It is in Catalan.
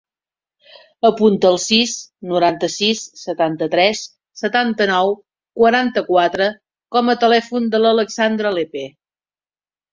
Apunta el sis, noranta-sis, setanta-tres, setanta-nou, quaranta-quatre com a telèfon de l'Alexandra Lepe.